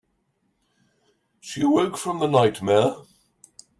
She awoke from the nightmare.